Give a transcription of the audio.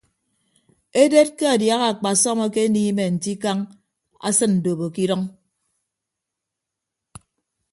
Eded ke adiaha akpasọm akeniime nte ikañ asịn ndobo ke idʌñ.